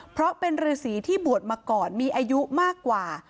เพราะเป็นฤษีที่บวชมาก่อนมีอายุมากกว่า